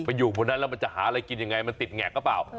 อยู่บนนั้นแล้วมันจะหาอะไรกินยังไงมันติดแงกหรือเปล่า